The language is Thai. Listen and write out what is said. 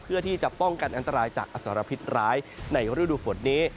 เพื่อที่จะป้องกันอันตรายจากอสรพิษร้ายในฤดูฝนนี้